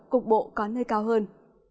cục bộ có nơi cao hơn